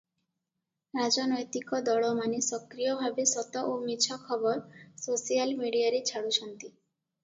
ରାଜନୈତିକ ଦଳମାନେ ସକ୍ରିୟ ଭାବେ ସତ ଓ ମିଛ ଖବର ସୋସିଆଲ ମିଡ଼ିଆରେ ଛାଡୁଛନ୍ତି ।